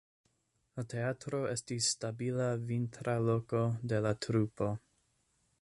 La teatro estis stabila vintra loko de la trupo.